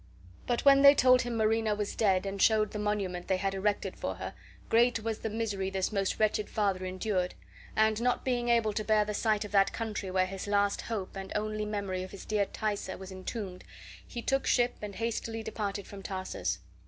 But when they told him Marina was dead, and showed the monument they had erected for her, great was the misery this most wretched father endured, and, not being able to bear the sight of that country where his last hope and only memory of his dear Thaisa was entombed, he took ship and hastily departed from Tarsus.